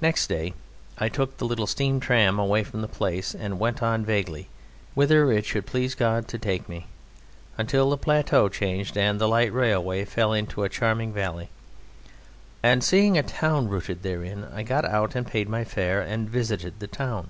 Next day I took the little steam tram away from the place and went on vaguely whither it should please God to take me, until the plateau changed and the light railway fell into a charming valley, and, seeing a town rooted therein, I got out and paid my fare and visited the town.